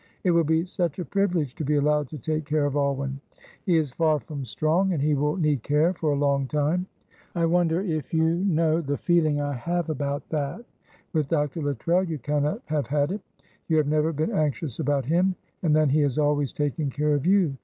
It will be such a privilege to be allowed to take care of Alwyn; he is far from strong, and he will need care for a long time. I wonder if you know the feeling I have about that? With Dr. Luttrell you cannot have had it. You have never been anxious about him; and then he has always taken care of you.